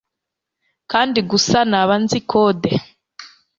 kandi gusa naba nzi code